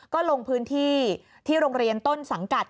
ก็ลงพื้นที่ที่โรงเรียนต้นสังกัด